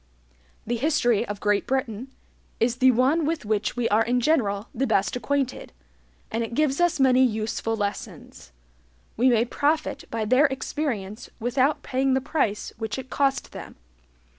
The history of Great Britain is the one with which we are in general the best acquainted, and it gives us many useful lessons. We may profit by their experience without paying the price which it cost them.